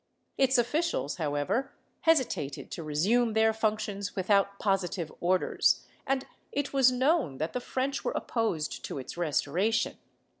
Its officials, however, hesitated to resume their functions without positive orders, and it was known that the French were opposed to its restoration.